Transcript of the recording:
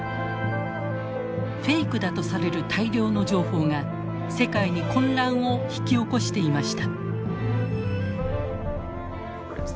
フェイクだとされる大量の情報が世界に混乱を引き起こしていました。